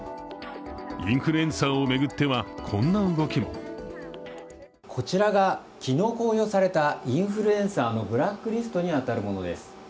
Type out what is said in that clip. インフルエンサーを巡ってはこんな動きもこちらが昨日公表されたインフルエンサーのブラックリストに当たるものです。